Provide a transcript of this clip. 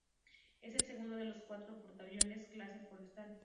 Es el segundo de los cuatro portaaviones clase "Forrestal".